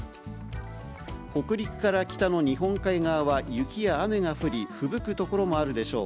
北陸から北の日本海側は雪や雨が降り、ふぶく所もあるでしょう。